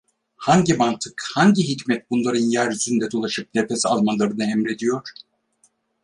Hangi mantık, hangi hikmet bunların yeryüzünde dolaşıp nefes almalarını emrediyor?